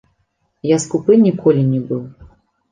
Я скупы ніколі не быў.